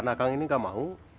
beneran kang ini enggak mau